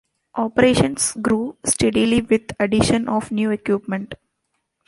Operations grew steadily with addition of new equipment.